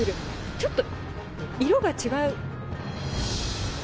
ちょっと、色が違う。